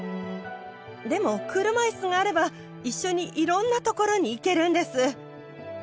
でも車いすがあれば一緒に色んなところに行けるんです